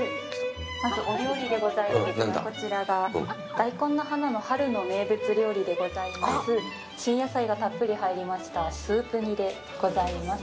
まず、お料理でございますが、こちらが「だいこんの花」の春の名物料理でございます、新野菜がたっぷり入りましたスープ煮でございます。